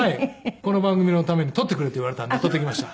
この番組のために撮ってくれって言われたんで撮ってきました。